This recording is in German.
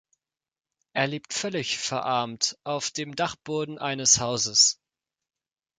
Er lebt völlig verarmt auf dem Dachboden eines Hauses.